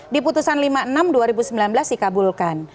di putusan lima puluh enam dua ribu sembilan belas dikabulkan